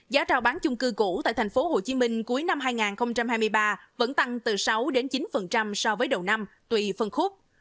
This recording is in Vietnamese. các chung cư cũ tại tp hcm cuối năm hai nghìn hai mươi ba vẫn tăng từ sáu chín so với đầu năm tùy phân khúc